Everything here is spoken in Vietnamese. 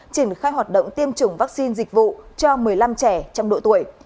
triển khai hoạt động tiêm chủng vaccine dịch vụ cho một mươi năm trẻ trong độ tuổi